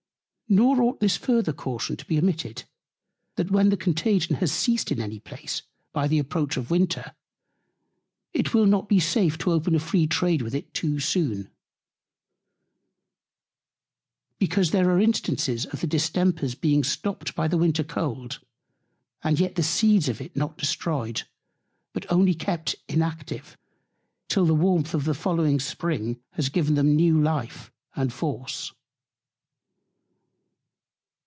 Nor ought this further Caution to be omitted, That when the Contagion has ceased in any Place by the approach of Winter, it will not be safe to open a free Trade with It too soon: Because there are Instances of the Distemper's being stopt by the Winter Cold, and yet the Seeds of it not destroyed, but only kept unactive, till the Warmth of the following Spring has given them new Life and Force.